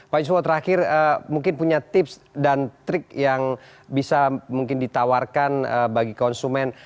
pak yuswo terakhir mungkin punya tips dan trik yang bisa mungkin ditawarkan bagi konsumen